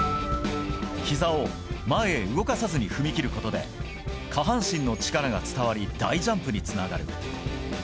ひざを前へ動かさずに踏み切ることで、下半身の力が伝わり、大ジャンプにつながる。